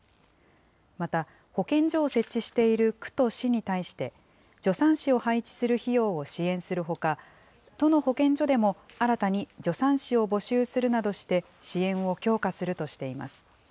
また保健所を設置している区と市に対して、助産師を配置する費用を支援するほか、都の保健所でも新たに助産師を募集するなどして、支援を強化するとしています。